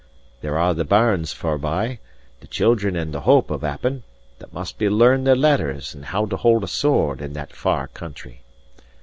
There are the bairns forby, the children and the hope of Appin, that must be learned their letters and how to hold a sword, in that far country.